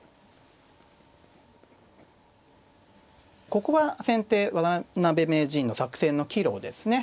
ここは先手渡辺名人の作戦の岐路ですね。